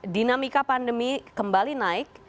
dinamika pandemi kembali naik